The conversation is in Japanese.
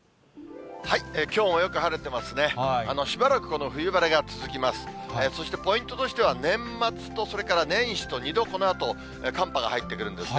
きょうもよく晴れてますね。